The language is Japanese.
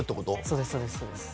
そうです